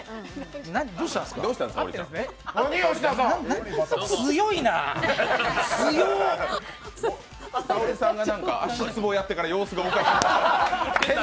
吉田さんが足つぼやってから様子がおかしい。